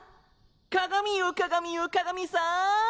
鏡よ鏡よ鏡さん。